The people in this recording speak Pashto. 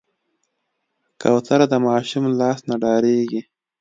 کوتره د ماشوم لاس نه ډارېږي.